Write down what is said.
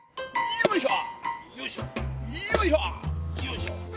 よいしょ。